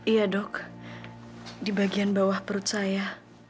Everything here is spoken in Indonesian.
iya dok di bagian bawah perut saya